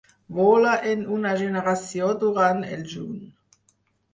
Vola en una generació durant el juny.